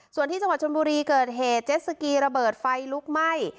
ส่วนที่จังหวัดชนบุรีเกิดเหตุเจ็ดสกีระเบิดไฟลุกไหม้